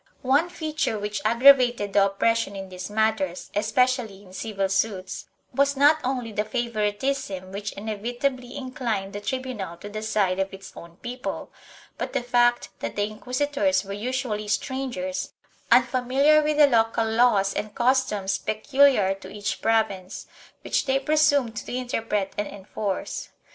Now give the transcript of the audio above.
One feature which aggravated the oppression in these matters, especially in civil suits, was not only the favoritism which inevi tably inclined the tribunal to the side of its own people, but the fact that the inquisitors were usually strangers, unfamiliar with the local laws and customs peculiar to each province, which they presumed to interpret and enforce.